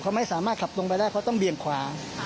เขาไม่สามารถขับลงไปได้เพราะต้องเบี่ยงขวา